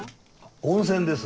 温泉です